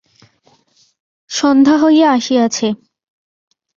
সন্ধ্যা হইয়া আসিয়াছে।